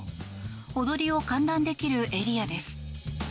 踊りを観覧できるエリアです。